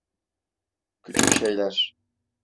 Küçük şeyler.